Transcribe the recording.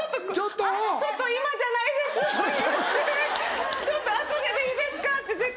「ちょっと今じゃないです」って。